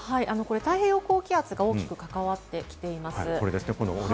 太平洋高気圧が大きく関わっているんです。